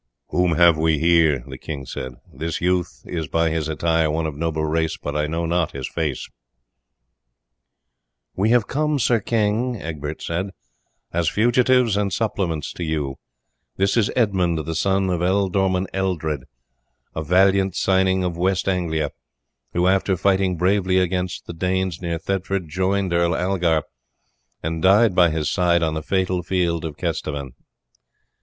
"Whom have we here?" the king said. "This youth is by his attire one of noble race, but I know not his face." "We have come, sir king," Egbert said, "as fugitives and suppliants to you. This is Edmund, the son of Ealdorman Eldred, a valiant cyning of East Anglia, who, after fighting bravely against the Danes near Thetford, joined Earl Algar, and died by his side on the fatal field of Kesteven.